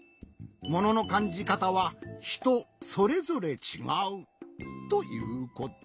もののかんじかたはひとそれぞれちがう。ということ。